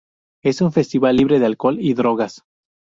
Es un festival libre de alcohol y drogas.